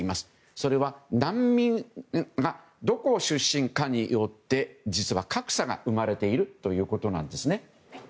それは、難民がどこを出身かによって実は、格差が生まれているということなんです。